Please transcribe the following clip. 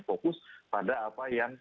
fokus pada apa yang